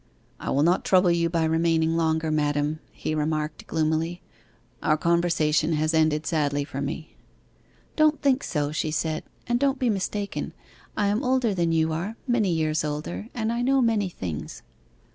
'I will not trouble you by remaining longer, madam,' he remarked, gloomily; 'our conversation has ended sadly for me.' 'Don't think so,' she said, 'and don't be mistaken. I am older than you are, many years older, and I know many things.